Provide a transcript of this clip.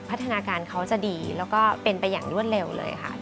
พัฒนาการเขาจะดีแล้วก็เป็นไปอย่างรวดเร็วเลยค่ะ